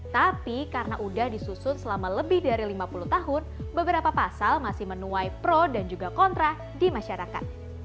tapi karena sudah disusun selama lebih dari lima puluh tahun beberapa pasal masih menuai pro dan juga kontra di masyarakat